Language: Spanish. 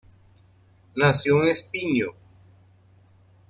Nació en Espinho.